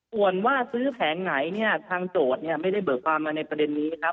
ส่วนว่าซื้อแผงไหนเนี่ยทางโจทย์เนี่ยไม่ได้เบิกความมาในประเด็นนี้ครับ